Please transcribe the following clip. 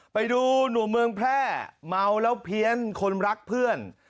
ไปดูหนุ่มเมืองแพร่เมาแล้วเพี้ยนคนรักเพื่อน